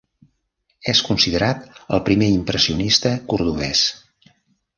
És considerat el primer impressionista cordovès.